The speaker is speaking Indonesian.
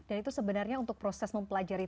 dan itu sebenarnya untuk proses mempelajari